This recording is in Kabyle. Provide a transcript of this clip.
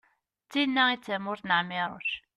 d tin-a i d tamurt n ԑmiruc